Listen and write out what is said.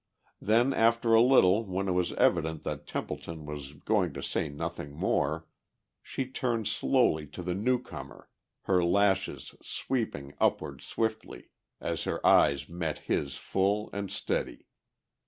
Then after a little when it was evident that Templeton was going to say nothing more she turned slowly to the new comer, her lashes sweeping upward swiftly as her eyes met his full and steady.